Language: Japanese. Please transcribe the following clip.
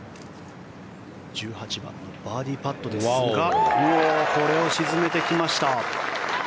１８番、バーディーパットを沈めてきました。